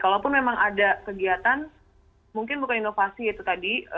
kalaupun memang ada kegiatan mungkin bukan inovasi itu tadi